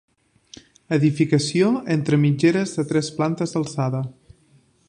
Edificació entre mitgeres de tres plantes d'alçada.